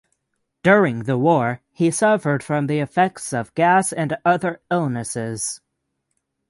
During the war he suffered from the effects of gas and other illnesses.